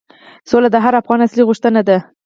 سوله د هر افغان اصلي غوښتنه ده.